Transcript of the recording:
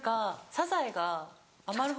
サザエが？